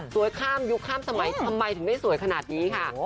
ข้ามยุคข้ามสมัยทำไมถึงได้สวยขนาดนี้ค่ะ